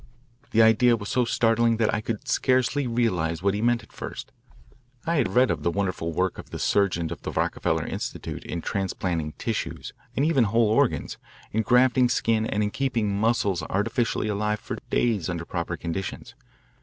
The idea was so startling that I could scarcely realise what he meant at first. I had read of the wonderful work of the surgeons of the Rockefeller Institute in transplanting tissues and even whole organs, in grafting skin and in keeping muscles artificially alive for days under proper conditions.